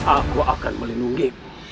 aku akan melindungi